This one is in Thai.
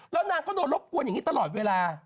แล้วนางก็โดนรบกวนอย่างนี้ตลอดเวลา